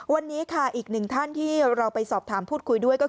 วันนี้ค่ะอีกหนึ่งท่านที่เราไปสอบถามพูดคุยด้วยก็คือ